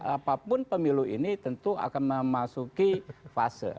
apapun pemilu ini tentu akan memasuki fase